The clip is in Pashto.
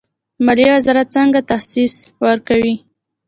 مالیې وزارت څنګه تخصیص ورکوي؟